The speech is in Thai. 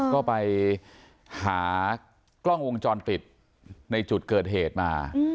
ก็ไปหากล้องวงจรปิดในจุดเกิดเหตุมา